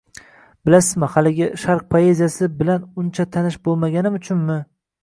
Bilasizmi, haligi… Sharq poeziyasi bilan uncha tanish boʼlmaganim uchunmi…